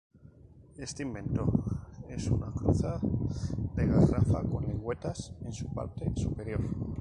Este invento es una cruza de garrafa con lengüetas en su parte superior.